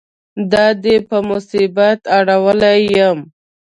دا دې په مصیبت اړولی یم.